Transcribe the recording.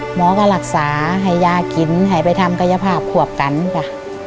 หมอก็รักษาให้ยากินให้ไปทำกายภาพขวบกันจ้ะ